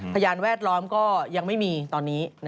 พยานแวดล้อมก็ยังไม่มีตอนนี้